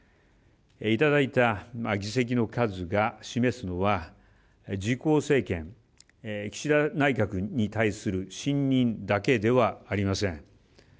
いただいた議席の数が示すのは自公政権岸田内閣に対する信任だけではありません。